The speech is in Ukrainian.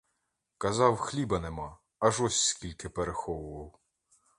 Казав — хліба нема, аж ось скільки переховував.